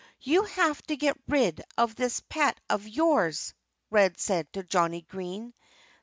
"You'll have to get rid of this pet of yours!" Red said to Johnnie Green.